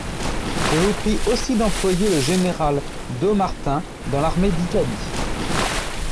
Je vous prie aussi d'employer le général Dommartin dans l'armée d'Italie.